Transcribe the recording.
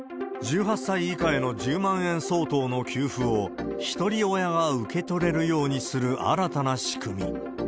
１８歳以下への１０万円相当の給付を、ひとり親が受け取れるようにする新たな仕組み。